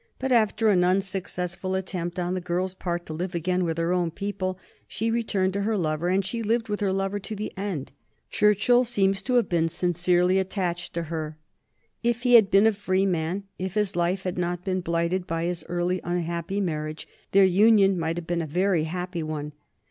But after an unsuccessful attempt on the girl's part to live again with her own people she returned to her lover, and she lived with her lover to the end. Churchill seems to have been sincerely attached to her. If he had been a free man, if his life had not been blighted by his early unhappy marriage, their union might have been a very happy one.